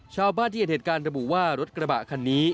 ชาวบ้านที่เห็นเหตุการณ์ระบุว่ารถกระบะคันนี้